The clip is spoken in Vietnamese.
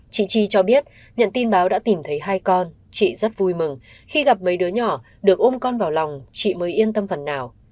chị chi cho biết nhận tin báo đã tìm thấy hai con chị rất vui mừng khi gặp mấy đứa nhỏ được ôm con vào lòng chị mới yên tâm phần nào